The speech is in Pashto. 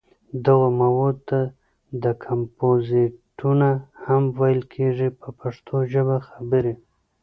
دغو موادو ته کمپوزېټونه هم ویل کېږي په پښتو ژبه خبرې.